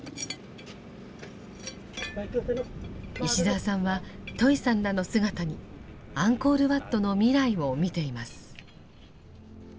石澤さんはトイさんらの姿にアンコール・ワットの未来を見ています。